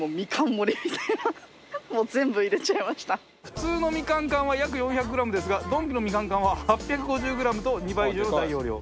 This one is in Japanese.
普通のみかん缶は約４００グラムですがドンキのみかん缶は８５０グラムと２倍以上の大容量。